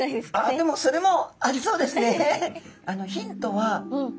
でもそれもありそうですね。